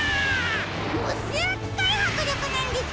もうすっごいはくりょくなんですから！